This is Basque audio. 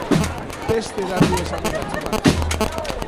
Beste datu esanguratsu bat.